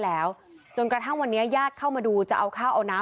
แล้วจนกระทั่งวันนี้ญาติเข้ามาดูจะเอาข้าวเอาน้ำ